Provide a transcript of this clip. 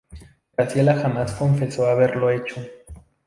Graciela jamás confesó haberlo hecho.